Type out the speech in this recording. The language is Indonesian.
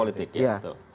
untuk partai politik gitu